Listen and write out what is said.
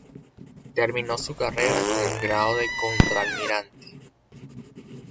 Terminó su carrera con el grado de contraalmirante.